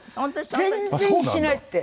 「全然しない」って。